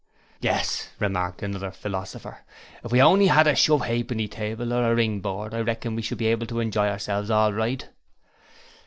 'Yes,' remarked another philosopher. 'If we only had a shove ha'penny table or a ring board, I reckon we should be able to enjoy ourselves all right.'